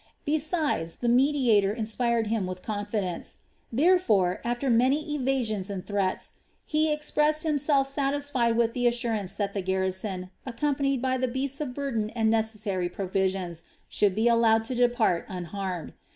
Besides, the mediator inspired him with confidence; therefore, after many evasions and threats, he expressed himself satisfied with the assurance that the garrison, accompanied by the beasts of burden and necessary provisions, should be allowed to depart unharmed.